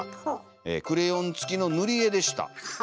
クレヨンつきのぬりえでした。